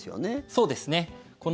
そうですね。